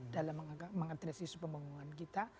dalam mengetesis pembungkungan kita